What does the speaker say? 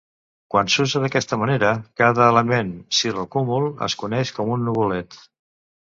Quan s'usa d'aquesta manera, cada element cirrocúmul es coneix com un "nuvolet".